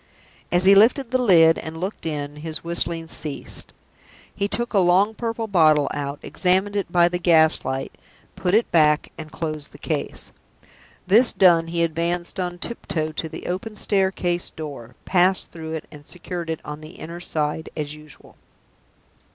As he lifted the lid and looked in, his whistling ceased. He took a long purple bottle out, examined it by the gas light, put it back, and closed the case. This done, he advanced on tiptoe to the open staircase door, passed through it, and secured it on the inner side as usual.